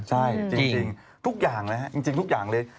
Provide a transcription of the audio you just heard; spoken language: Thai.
ใช่จริงทุกอย่างนะฮะจริงทุกอย่างเลย